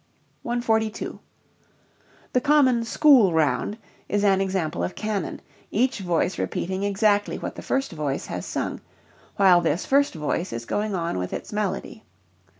142. The common school round is an example of canon, each voice repeating exactly what the first voice has sung, while this first voice is going on with its melody.